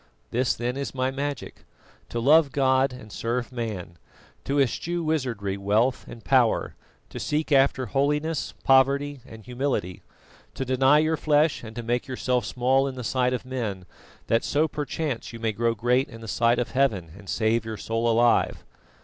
"This then is my magic: To love God and serve man; to eschew wizardry, wealth, and power; to seek after holiness, poverty and humility; to deny your flesh, and to make yourself small in the sight of men, that so perchance you may grow great in the sight of Heaven and save your soul alive."